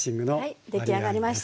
はい出来上がりました。